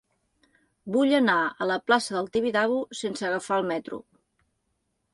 Vull anar a la plaça del Tibidabo sense agafar el metro.